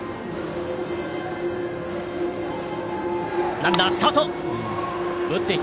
ランナースタート。